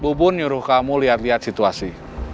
bubun nyuruh kamu lihat lihat situasi